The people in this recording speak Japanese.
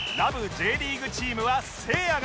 Ｊ リーグチームはせいやが